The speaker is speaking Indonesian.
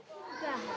sudah sudah dua meter